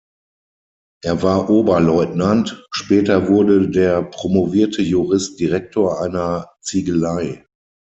Er war Oberleutnant, später wurde der promovierte Jurist Direktor einer Ziegelei.